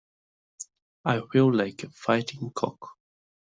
I feel like a fighting cock.